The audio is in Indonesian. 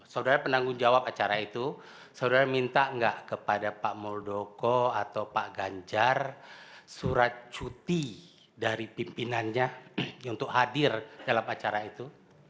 saudara penanggung jawab acara itu saudara minta enggak kepada pak muldoko atau pak ganjar surat cuti dari pimpinannya untuk hadir dalam acara itu